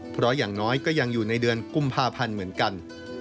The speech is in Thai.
เพราะอย่างน้อยก็ยังอยู่ในเดือนกุมภาพันธ์เหมือนกัน